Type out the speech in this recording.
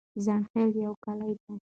ځنډيخيل يو کلي ده